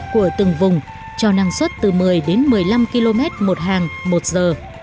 của từng vùng cho năng suất từ một mươi đến một mươi năm km một hàng một giờ